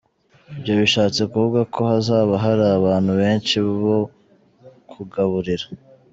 Ibyo bishatse kuvuga ko hazaba hari abantu benshi bo kugaburira.